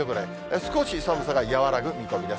少し寒さが和らぐ見込みです。